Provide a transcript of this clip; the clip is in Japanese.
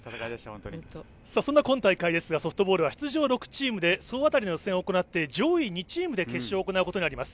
そんな今大会ですがソフトボールは出場６チームで総当たりの予選を行って、上位２チームが決勝を行うことになります。